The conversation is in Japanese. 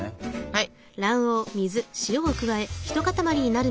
はい。